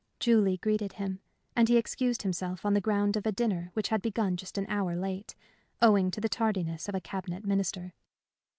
Julie greeted him, and he excused himself on the ground of a dinner which had begun just an hour late, owing to the tardiness of a cabinet minister.